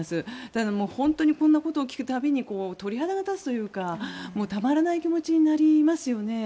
ただ本当にこんなことを聞く度に、鳥肌が立つというかたまらない気持ちになりますよね。